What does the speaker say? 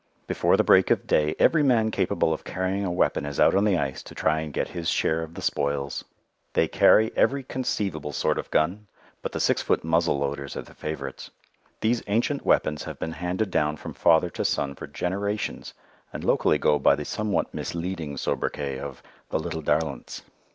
Before the break of day every man capable of carrying a weapon is out on the ice to try and get his share of the spoils. They carry every conceivable sort of gun, but the six foot muzzle loaders are the favourites. These ancient weapons have been handed down from father to son for generations, and locally go by the somewhat misleading soubriquet of the "little darlints."